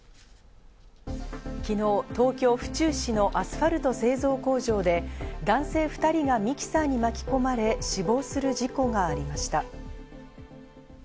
昨日、東京・府中市のアスファルト製造工場で男性２人がミキサーに巻き込まれ、死亡する事故がありました。